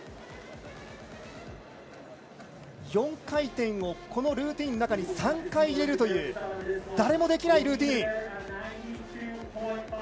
４回転を、このルーティンの中に３回入れるという誰もできないルーティン。